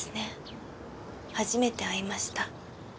初めて会いました。